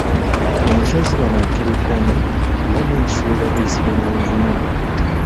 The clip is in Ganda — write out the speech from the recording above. Enswa ziba na nkerettanyi nga n'enswera bwe ziba na nvunyu.